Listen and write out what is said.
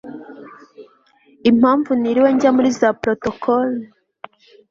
impamvu ntiriwe njya muri za protocol